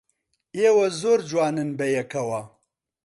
ئێوە زۆر جوانن بەیەکەوە.